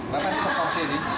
berapa spesifikasi ini